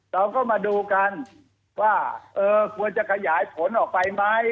เราก็มาดูกันว่าควรจะขยายผลออกไปไหม